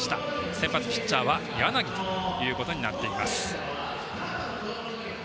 先発ピッチャーは柳ということになっています。